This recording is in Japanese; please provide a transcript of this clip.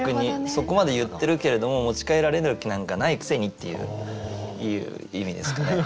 そこまで言ってるけれども持ち帰られる気なんかないくせにっていう意味ですかね。